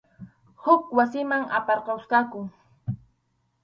Huk wasiman aparqusqaku.